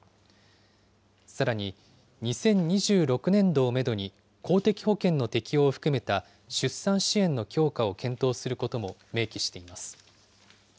さらに、２０２６年度をメドに、公的保険の適用を含めた出産支援の強化を検討することも明記しています。